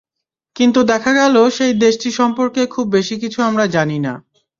কিন্তু দেখা গেল সেই দেশটি সম্পর্কে খুব বেশি কিছু আমরা জানি না।